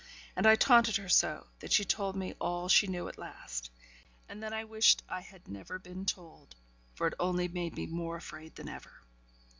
And I taunted her so, that she told me all she knew at last; and then I wished I had never been told, for it only made me more afraid than ever.